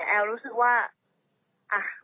แอลรู้สึกว่ามันไม่ถูกต้อง